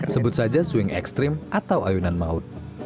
sebut saja swing ekstrim atau ayunan maut